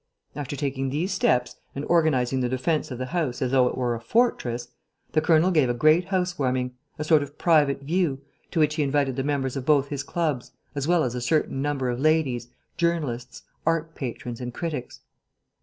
After taking these steps and organizing the defence of the house as though it were a fortress, the colonel gave a great house warming, a sort of private view, to which he invited the members of both his clubs, as well as a certain number of ladies, journalists, art patrons and critics.